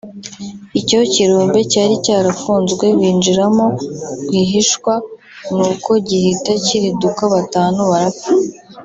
Icyo kirombe cyari cyarafunzwe binjiramo rwihishwa nuko gihita kiriduka batanu barapfa